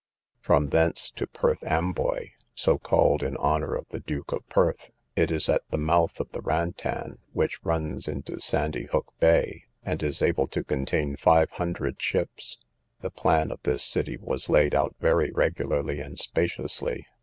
From thence to Perth Amboy, so called in honour of the Duke of Perth. It is at the mouth of the Rantan, which runs into Sandyhook bay, and is able to contain five hundred ships. The plan of this city was laid out very regularly and spaciously.